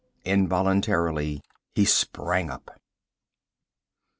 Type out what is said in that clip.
Involuntarily he sprang up.